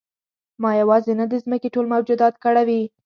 ما یوازې نه د ځمکې ټول موجودات کړوي.